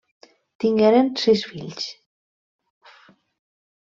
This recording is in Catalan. Tingueren sis fills.